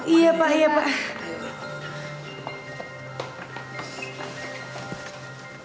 iya pak iya pak